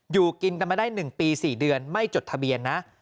อยู่กินกันมาได้๑ปี๔เดือนไม่จดทะเบียนนะ